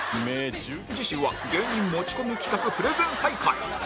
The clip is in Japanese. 次週は芸人持ち込み企画プレゼン大会